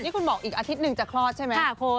นี่คุณบอกอีกอาทิตย์หนึ่งจะคลอดใช่ไหม